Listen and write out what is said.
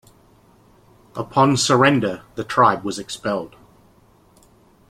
Upon surrender the tribe was expelled.